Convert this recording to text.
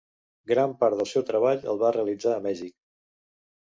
Gran part del seu treball el va realitzar a Mèxic.